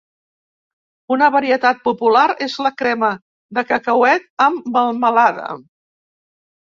Una varietat popular és la crema de cacauet amb melmelada.